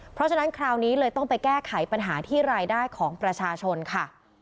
เพราะฉะนั้นคราวนี้เลยต้องไปแก้ไขปัญหาที่รายได้ของประชาชนค่ะ